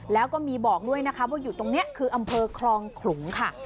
แล้วก็มีบอกด้วยนะคะว่าอยู่ตรงนี้คืออำเภอคลองขลุงค่ะ